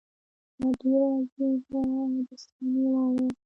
دا ډېره عجیبه او د ستاینې وړ وه.